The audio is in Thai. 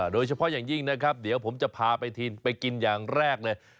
โดยเฉพาะอย่างยิ่งนะครับเดี๋ยวผมจะพาไปกินอย่างแรกเลย